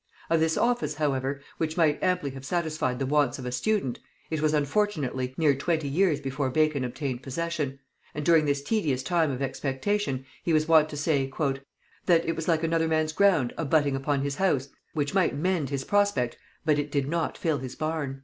Of this office however, which might amply have satisfied the wants of a student, it was unfortunately near twenty years before Bacon obtained possession; and during this tedious time of expectation, he was wont to say, "that it was like another man's ground abutting upon his house, which might mend his prospect, but it did not fill his barn."